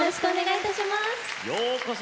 ようこそ